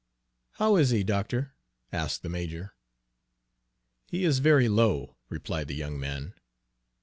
"How is he, doctor?" asked the major. "He is very low," replied the young man.